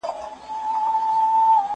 زه له سهاره سیر کوم،